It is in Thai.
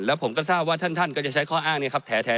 แล้วผมก็ทราบว่าท่านก็จะใช้ข้ออ้างนี้ครับแท้